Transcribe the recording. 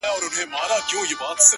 ستوري ډېوه سي -هوا خوره سي-